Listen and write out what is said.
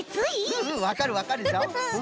うんわかるわかるぞ。